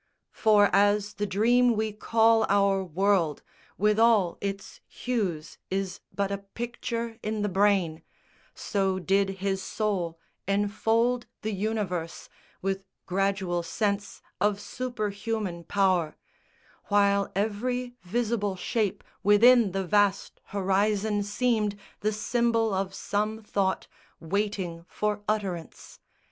For as the dream we call our world, with all Its hues is but a picture in the brain, So did his soul enfold the universe With gradual sense of superhuman power, While every visible shape within the vast Horizon seemed the symbol of some, thought Waiting for utterance.